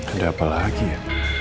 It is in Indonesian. ada apa lagi ya